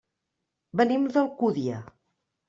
Venim d'Alcúdia.